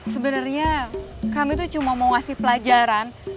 sebenarnya kami itu cuma mau ngasih pelajaran